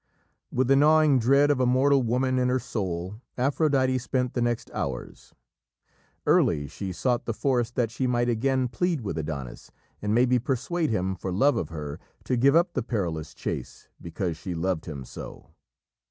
With the gnawing dread of a mortal woman in her soul, Aphrodite spent the next hours. Early she sought the forest that she might again plead with Adonis, and maybe persuade him, for love of her, to give up the perilous chase because she loved him so.